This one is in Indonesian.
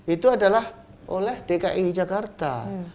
itu adalah oleh dki jakarta